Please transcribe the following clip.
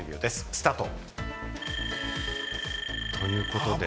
スタート。